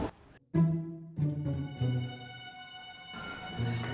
kok kamu disini sih